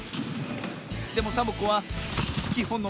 でもサボ子はきほんの